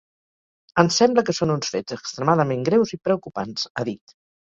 Ens sembla que són uns fets extremadament greus i preocupants, ha dit.